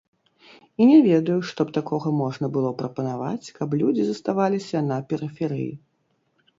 І не ведаю, што б такога можна было прапанаваць, каб людзі заставаліся на перыферыі.